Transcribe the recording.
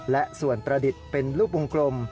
และส่วนประดิษฐ์เป็นรูปวงกลม